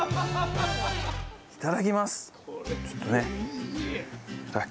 いただきます！